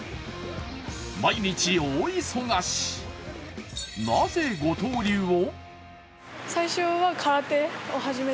毎日大忙し、なぜ五刀流を？